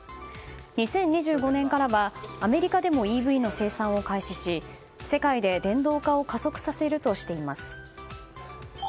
２０２５年からはアメリカでもＥＶの生産を開始し世界で電動化を加速させるとしています。